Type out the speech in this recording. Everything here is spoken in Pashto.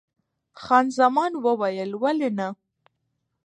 خان زمان وویل: ولې نه؟